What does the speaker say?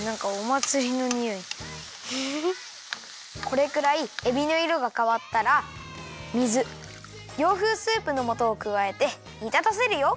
これくらいえびのいろがかわったら水洋風スープのもとをくわえてにたたせるよ。